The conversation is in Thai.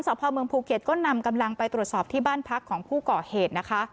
พ่อเมืองภูเก็ตก็นำกำลังไปตรวจสอบที่บ้านพักของผู้ก่อเหตุนะคะ